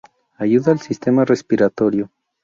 Ayuda al sistema respiratorio.